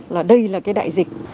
là đây là cái đại dịch